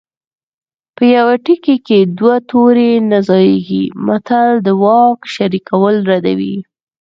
په یوه تیکي کې دوه تورې نه ځاییږي متل د واک شریکول ردوي